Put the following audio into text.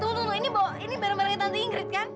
tunggu tunggu ini bawa ini barang barangnya tante ingrid kan